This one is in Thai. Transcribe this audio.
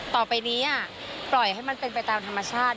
ต่อไปนี้ปล่อยให้มันเป็นไปตามธรรมชาติ